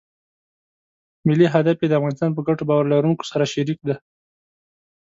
ملي هدف یې د افغانستان په ګټو باور لرونکو سره شریک دی.